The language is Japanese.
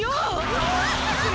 うわ！